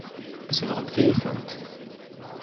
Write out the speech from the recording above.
Tsebɣemt-iyi-tent.